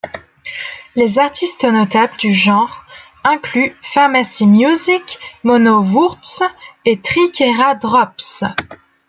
Les artistes notables du genre incluent Pharmacy Music, Monno Wurtz, et Triceradrops.